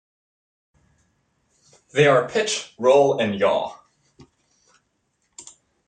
They are pitch, roll and yaw.